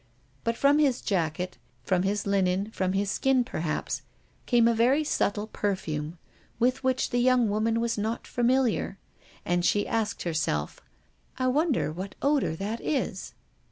But from his jacket, from his linen, from his skin perhaps, came a very subtle perfume, with which the young woman was not familiar, and she asked herself: "I wonder what odor that is?"